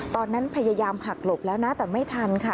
พยายามหักหลบแล้วนะแต่ไม่ทันค่ะ